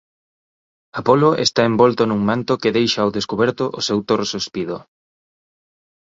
Apolo está envolto nun manto que deixa ao descuberto o seu torso espido.